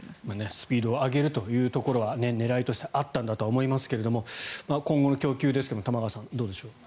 スピードを上げるというところは狙いとしてはあったんだと思いますが今後の供給ですが玉川さん、どうでしょう。